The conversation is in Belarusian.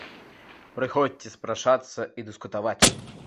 Прыходзьце спрачацца і дыскутаваць!